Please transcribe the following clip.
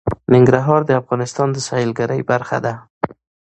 ننګرهار د افغانستان د سیلګرۍ برخه ده.